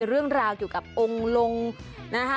เรื่องราวเกี่ยวกับองค์ลงนะคะ